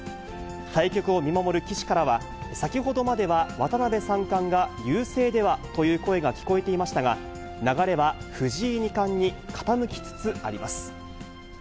対局を見守る棋士からは、先ほどまでは渡辺三冠が優勢ではという声が聞こえていましたが、流れは藤井二冠に傾きつつあります。